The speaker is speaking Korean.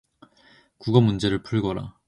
국어문제를 풀 거라.